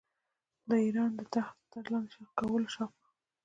د اېران د تخت و تاج لاندي کولو شوق.